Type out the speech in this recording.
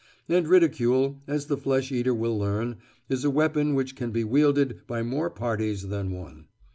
And ridicule, as the flesh eater will learn, is a weapon which can be wielded by more parties than one.